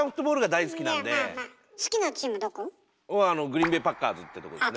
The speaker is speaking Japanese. グリーンベイ・パッカーズってとこですね。